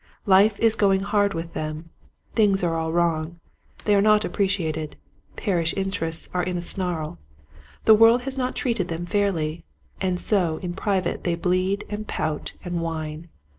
Life is going hard with them. Things are all wrong. They are not appreciated. Parish interests are in a snarl. The world has not treated them fairly. And so in private they bleed and pout and whine.